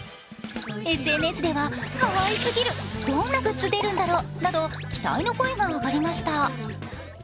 ＳＮＳでは、かわいすぎる、どんなグッズ出るんだろうなど期待の声が上がりました。